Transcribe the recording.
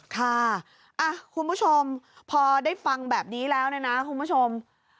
ค่ะคุณผู้ชมพอได้ฟังแบบนี้แล้วเนี่ยนะคุณผู้ชม